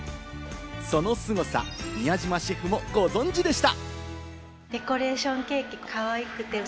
そのすごさ、宮島シェフもご存じでした。